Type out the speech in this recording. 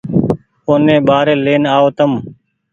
اوني ٻآري لين آئو تم